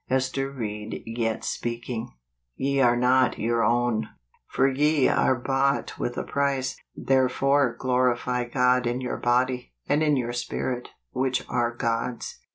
Ester Ried Yet Speaking. " Ye are not your oicn. " For ye are bought with a price: therefore glori fy God in your body, and in your spirit, which are God's."